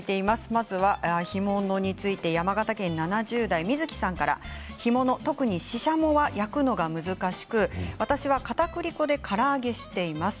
まずは干物について山形県７０代の方から干物を、特にししゃもを焼くのが難しく私はかたくり粉でから揚げしています。